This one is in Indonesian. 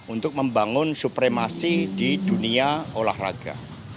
untuk membangun supremasi di dunia olahraga